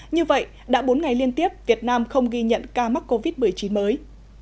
như vậy đã bốn ngày liên tiếp việt nam không ghi nhận ca mắc covid một mươi chín mới